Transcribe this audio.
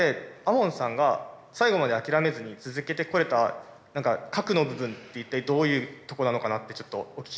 門さんが最後まで諦めずに続けてこれた核の部分って一体どういうとこなのかなってちょっとお聞きしたいです。